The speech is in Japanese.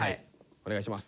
お願いします。